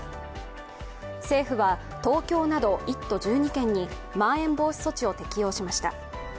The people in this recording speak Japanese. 政府は東京など１都１２県にまん延防止措置を適用しました。